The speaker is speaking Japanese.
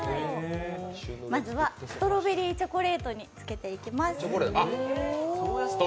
まずはストロベリーチョコレートにつけていきます。